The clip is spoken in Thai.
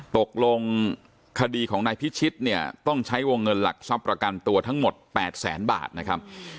ตกลงคดีของนายพิชิตเนี่ยต้องใช้วงเงินหลักทรัพย์ประกันตัวทั้งหมด๘แสนบาทนะครับ